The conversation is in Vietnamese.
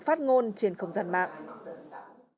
phát ngôn trên không gian mạng